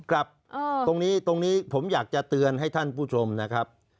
ครับตรงนี้ตรงนี้ผมอยากจะเตือนให้ท่านผู้ชมนะครับ